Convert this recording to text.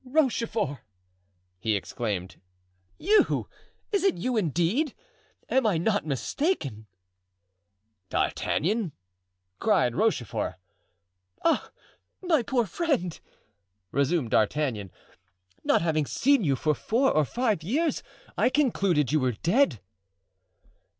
"Rochefort!" he exclaimed; "you! is it you, indeed? I am not mistaken?" "D'Artagnan!" cried Rochefort. "Ah! my poor friend!" resumed D'Artagnan, "not having seen you for four or five years I concluded you were dead."